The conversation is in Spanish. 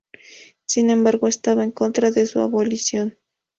Sin embargo, estaba en contra de su abolición.